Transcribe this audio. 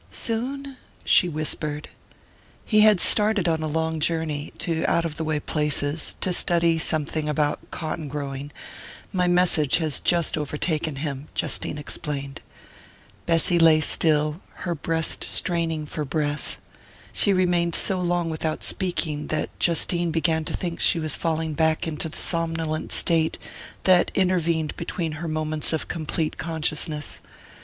"Soon?" she whispered. "He had started on a long journey to out of the way places to study something about cotton growing my message has just overtaken him," Justine explained. Bessy lay still, her breast straining for breath. She remained so long without speaking that Justine began to think she was falling back into the somnolent state that intervened between her moments of complete consciousness.